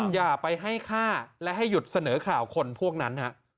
อย่าไปให้ฆ่าและให้หยุดเสนอข่าวคนพวกนั้น